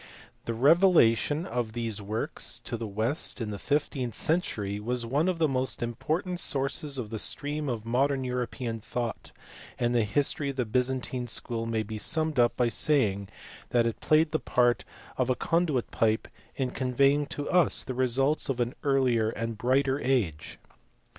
The revelation of these works to the West in the fifteenth century was one of the most important sources of the stream of modern European thought, and the history of the Byzantine school may be summed up by saying that it played the part of a conduit pipe in conveying to us the results of an earlier and brighter age.